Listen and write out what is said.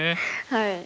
はい。